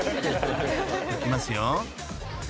［いきますよ］